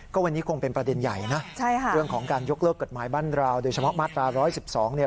ก็วันนี้คงเป็นประเด็นใหญ่นะเรื่องของการยกเลิกกฎหมายบ้านราวโดยเฉพาะมาตรา๑๑๒เนี่ย